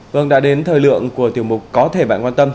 vâng đã đến thời lượng của tiểu mục có thể bạn quan tâm